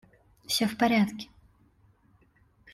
Всё в порядке.